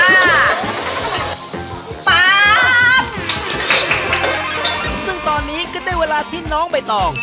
ปั๊บซึ่งตอนนี้ก็ได้เวลาที่น้องใบตอง